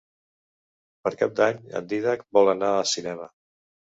Per Cap d'Any en Dídac vol anar al cinema.